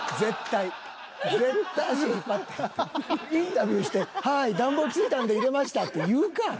インタビューして「はい暖房付いたんで入れました」って言うかぁ。